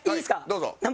どうぞ。